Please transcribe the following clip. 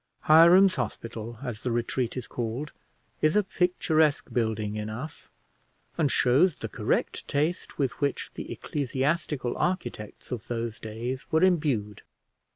Hiram's Hospital, as the retreat is called, is a picturesque building enough, and shows the correct taste with which the ecclesiastical architects of those days were imbued.